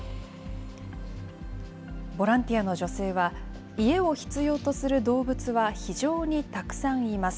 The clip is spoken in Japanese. ボランティアの女性は、家を必要とする動物は非常にたくさんいます。